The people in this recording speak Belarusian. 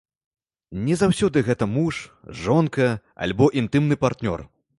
Не заўсёды гэта муж, жонка, альбо інтымны партнёр.